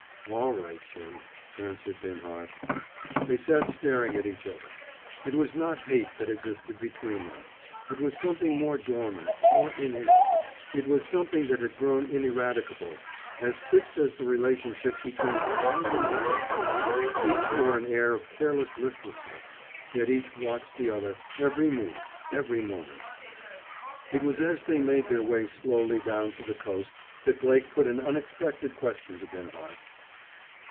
"All right, Jim," answered Binhart. They sat staring at each other. It was not hate that existed between them. It was something more dormant, more innate. It was something that had grown ineradicable; as fixed as the relationship between the hound and the hare. Each wore an air of careless listlessness, yet each watched the other, every move, every moment. It was as they made their way slowly down to the coast that Blake put an unexpected question to Binhart.